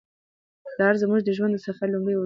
پلار زموږ د ژوند د سفر لومړی او وروستی هیرو دی.